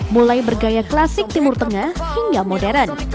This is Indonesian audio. mulai bergaya klasik timur tengah hingga modern